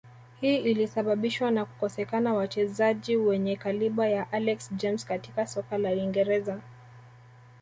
Hii ilisababishwa na kukosekana wachezai wenye kaliba ya Alex James katika soka la uingereza